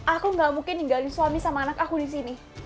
aku gak mungkin ninggalin suami sama anak aku di sini